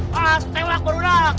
pas tewak berurang